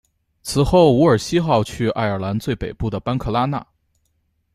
此后伍尔西号去爱尔兰最北部的班克拉纳。